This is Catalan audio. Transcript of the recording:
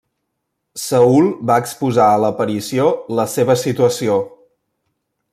Saül va exposar a l'aparició la seva situació.